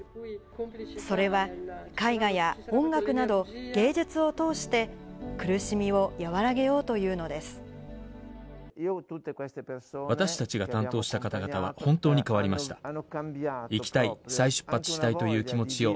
それは絵画や音楽など、芸術を通して苦しみを和らげようというのです。